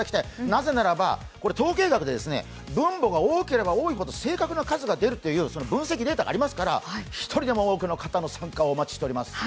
なぜならば統計学で分母が大ければ大きいほど正確な数が出るという分析データがありますから１人でも多くの方の参加をお待ちしています。